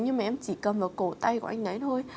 nhưng mà em chỉ cầm vào cổ tay của anh nấy thôi